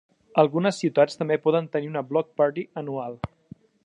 Algunes ciutats també poden tenir una "Block party" anual.